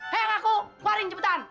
hei ngaku keluarin cepetan